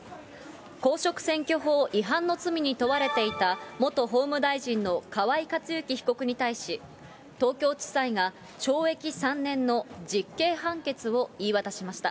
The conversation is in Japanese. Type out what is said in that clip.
公職選挙法違反の罪に問われていた、元法務大臣の河井克行被告に対し、東京地裁が、懲役３年の実刑判決を言い渡しました。